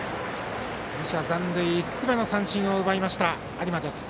２者残塁、５つ目の三振を奪いました有馬です。